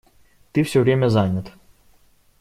Ты всё время занят.